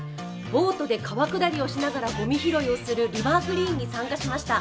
ボートで川下りをしながらごみ拾いをするリバークリーンに参加しました。